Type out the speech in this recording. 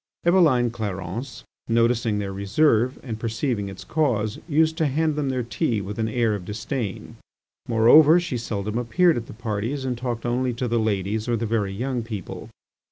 Eveline Clarence, noticing their reserve and perceiving its cause, used to hand them their tea with an air of disdain. Moreover, she seldom appeared at the parties and talked only to the ladies or the very young people.